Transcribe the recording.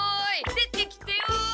出てきてよ！